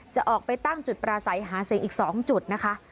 จะออกไปตั้งจุดปราศัยหาเสียงอีก๒จุดนะคะ